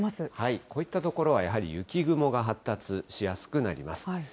こういった所はやはり、雪雲が発達しやすくなります。